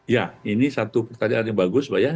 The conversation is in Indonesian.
ya ini satu pertanyaan yang bagus pak ya